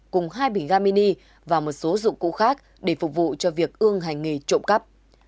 cùng hai bình ga mini và một số dụng cụ khác để phục vụ cho việc ương hành nghề trộm cắp